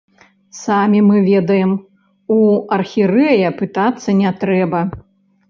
Самі мы ведаем, у архірэя пытацца не трэба.